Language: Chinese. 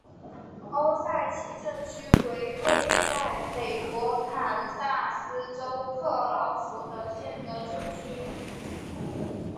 欧塞奇镇区为位在美国堪萨斯州克劳福德县的镇区。